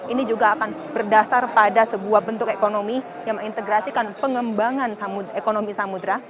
ini juga akan berdasar pada sebuah bentuk ekonomi yang mengintegrasikan pengembangan ekonomi samudera